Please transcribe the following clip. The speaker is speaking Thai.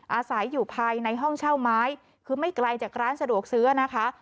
อาศัยอยู่ภายในห้องเช่าไม้คือไม่ไกลจากร้านสะดวกซื้อนะคะ